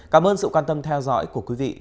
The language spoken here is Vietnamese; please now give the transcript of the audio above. cảm ơn sự quan tâm theo dõi của quý vị và các bạn